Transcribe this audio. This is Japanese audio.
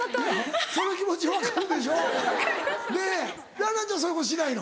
蘭々ちゃんそういうことしないの？